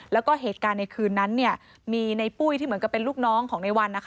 แล้วก็เหตุการณ์ในคืนนั้นมีในปุ้ยที่เหมือนกับเป็นลูกน้องของในวันนะคะ